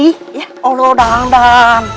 iroh mau siap siap dulu mau dandan biar rapi